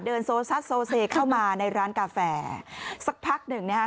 เดินโซซ่าโซเซเข้ามาในร้านกาแฟสักพักหนึ่งเนี่ยฮะ